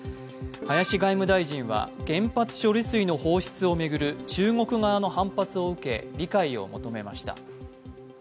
林外務大臣は原発処理水の放出を巡る中国側の反発を受け、理解を求めました。